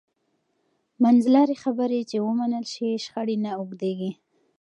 منځلارې خبرې چې ومنل شي، شخړې نه اوږدېږي.